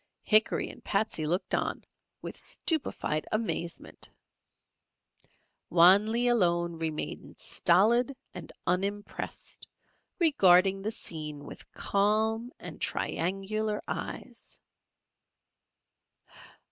Hickory and Patsey looked on with stupefied amazement. Wan Lee alone remained stolid and unimpressed, regarding the scene with calm and triangular eyes.